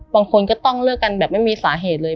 บางคนก็ต้องเลิกกันแบบไม่มีสาเหตุเลย